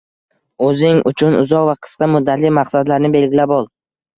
O‘zing uchun uzoq va qisqa muddatli maqsadlarni belgilab ol.